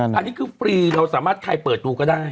อันนี้คือฟรีเราสามารถใครเปิดดูก็ได้